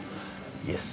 イエス。